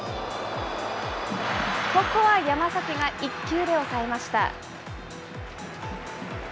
ここは山崎が１球で抑えました。